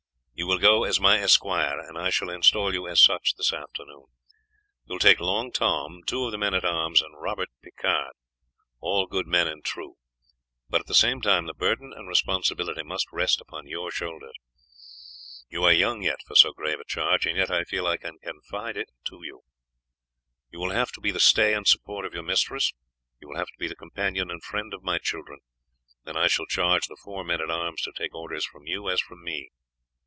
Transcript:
You will go as my esquire, and I shall install you as such this afternoon. You will take Long Tom, two of the men at arms, and Robert Picard, all good men and true; but at the same time the burden and responsibility must rest upon your shoulders. You are young yet for so grave a charge, and yet I feel that I can confide it to you. You will have to be the stay and support of your mistress, you will have to be the companion and friend of my children, and I shall charge the four men at arms to take orders from you as from me.